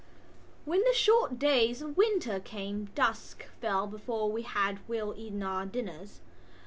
When the short days of winter came dusk fell before we had well eaten our dinners.